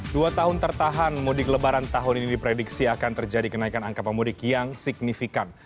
dua tahun tertahan mudik lebaran tahun ini diprediksi akan terjadi kenaikan angka pemudik yang signifikan